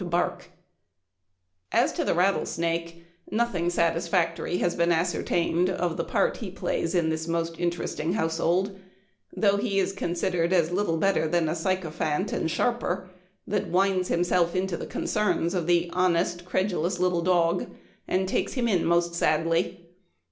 228 Memoir of Wm " As to the rattlesnake, nothing satisfactory has been ascertained of the part he plays in this most interesting household ; though he is con sidered as little better than a sycophant and sharper, that winds himself into the concerns of the honest, credulous little dog, and takes him in most sadly.